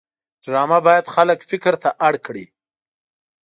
ډرامه باید خلک فکر ته اړ کړي